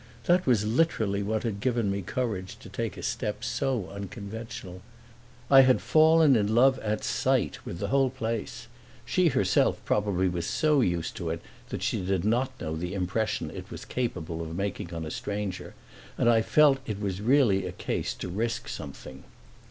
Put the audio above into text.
That was literally what had given me courage to take a step so unconventional. I had fallen in love at sight with the whole place (she herself probably was so used to it that she did not know the impression it was capable of making on a stranger), and I had felt it was really a case to risk something.